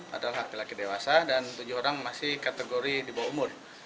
adalah laki laki dewasa dan tujuh orang masih kategori di bawah umur